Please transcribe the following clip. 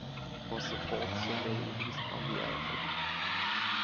It was the fourth single released from the album.